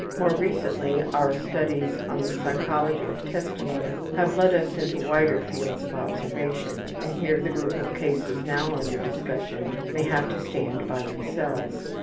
More recently our studies on the psychology of testimony have led us into wider fields of observation, and here the group of cases now under discussion may have to stand by themselves.